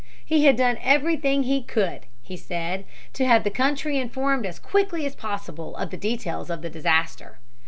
He had done everything he could, he said, to have the country informed as quickly as possible of the details of the disaster.